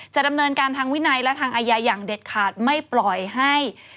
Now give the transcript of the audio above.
จะดำเนินการทางวินัยและทางอาญาอย่างเด็ดขาดไม่ปล่อยให้